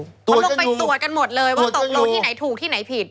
เขาลงไปตรวจกันหมดเลยว่าตกลงที่ไหนถูกที่ไหนผิด